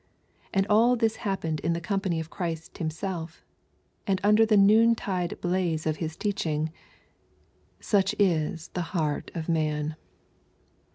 And all this happened in the company of Christ Him self, and under the noon^tide blaze of His teaching. Such is the heart of man.